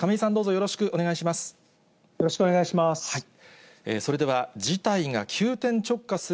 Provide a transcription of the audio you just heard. よろしくお願いします。